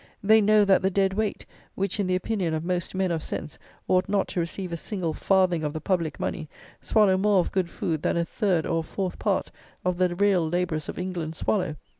They know that the dead weight, which, in the opinion of most men of sense, ought not to receive a single farthing of the public money, swallow more of good food than a third or a fourth part of the real labourers of England swallow.